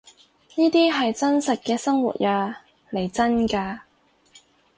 呢啲係真實嘅生活呀，嚟真㗎